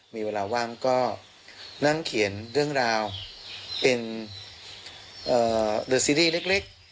มีเวลาว่างก็นั่งเขียนเรื่องราวเป็นเดอร์ซีรีส์เล็ก